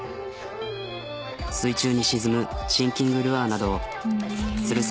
水中に沈むシンキングルアーなど釣る